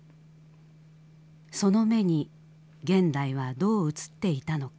その目に現代はどう映っていたのか。